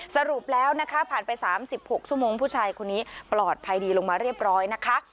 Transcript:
สรุปแล้วนะคะผ่านไป๓๖ชั่วโมงผู้ชายคนนี้ปลอดภัยดีลงมาเรียบร้อยนะคะ